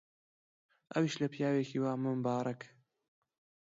ئەویش لە پیاوێکی وا ممبارەک؟!